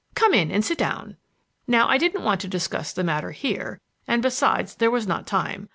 Come in and sit down." Now I didn't want to discuss the matter here, and, besides, there was not time.